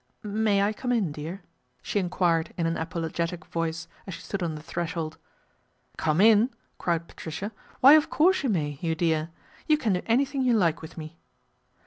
" May I come in, dear ?" she enquired in an apologetic voice, as she stood on the threshold. " Come in !" cried Patricia, " why of course you may, you dear. You can do anything you like with me."